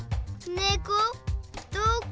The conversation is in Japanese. ねこどこ？